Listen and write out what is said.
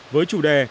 với chủ đề